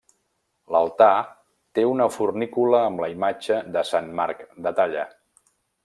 L'altar té una fornícula amb la imatge de Sant Marc de talla.